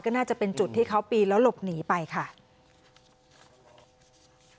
ก็น่าจะเป็นจุดที่เขาปีนแล้วหลบหนีไปค่ะ